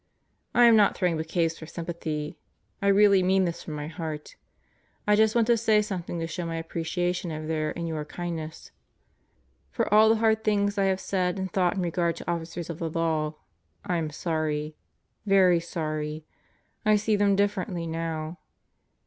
I am not throwing bouquets for sympathy. I really mean this from my heart. I just want to say something to show my appreciation of their and your kindness. For all the hard things I have said and thought in regard to Officers of the Law, I am sorry. Very sorry. I see them differently now.